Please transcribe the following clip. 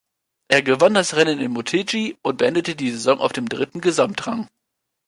Er gewann das Rennen in Motegi und beendete die Saison auf dem dritten Gesamtrang.